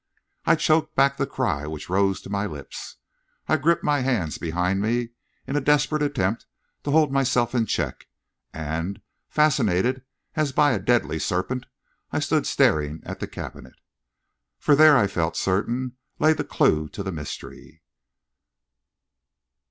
I choked back the cry which rose to my lips; I gripped my hands behind me, in a desperate attempt to hold myself in check; and, fascinated as by a deadly serpent, I stood staring at the cabinet. For there, I felt certain, lay the clue to the mystery!